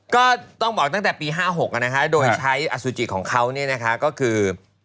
ก็ต้องบอกตั้งแต่ปี๕๖นะคะโดยใช้อสุจิของเขาเนี่ยนะคะก็คือ